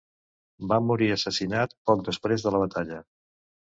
Va morir assassinat poc després de la batalla.